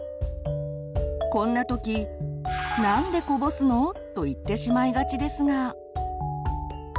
こんなとき「なんでこぼすの？」と言ってしまいがちですが。